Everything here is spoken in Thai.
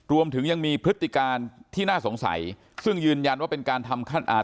รวมถึงยังมีพฤติการที่น่าสงสัยซึ่งยืนยันว่าเป็นการทำขั้นอาจ